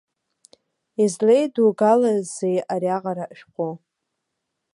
Излеидугалазеи ариаҟара шәҟәы?